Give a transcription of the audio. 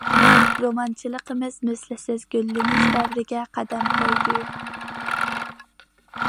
رومانچىلىقىمىز مىسلىسىز گۈللىنىش دەۋرىگە قەدەم قويدى.